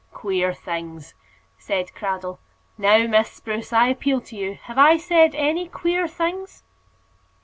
"Queer things!" said Cradell. "Now, Miss Spruce, I appeal to you Have I said any queer things?"